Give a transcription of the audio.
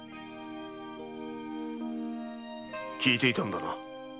聞いていたんだな？